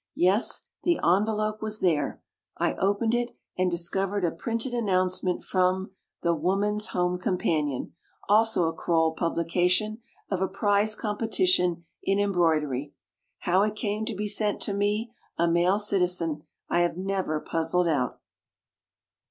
Yes, the envelope was there. I opened it, and discovered a printed announce ment from "The Woman's Home Companion" — also a Crowell publication — of a prize compe tition in embroidery ! How it came to be sent to me — a male citizen — I have never puzzled out.